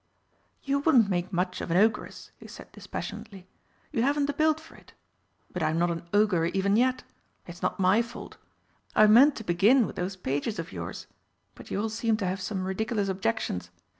"You wouldn't make much of an Ogress," he said dispassionately. "You haven't the build for it. But I'm not an Ogre even yet. It's not my fault. I meant to begin with those pages of yours but you all seemed to have some ridiculous objections.